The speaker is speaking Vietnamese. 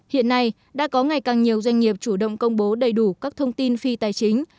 hiện nay đã có ngày càng nhiều doanh nghiệp chủ động công bố đầy đủ các thông tin phi tài chính